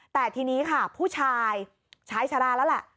แต่ทีนี้ค่ะผู้ชายชายชะลาแล้วแหละ